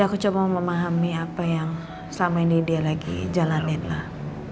aku coba memahami apa yang selama ini dia lagi jalanin lah